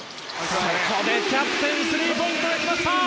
ここで、キャプテンのスリーポイントが来ました！